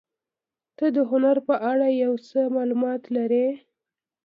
ته د هنر په اړه یو څه معلومات لرې؟